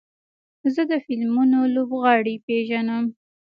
زه د فلمونو لوبغاړي پیژنم.